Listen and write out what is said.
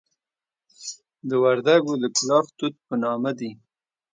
د وردکو د کلاخ توت په نامه دي.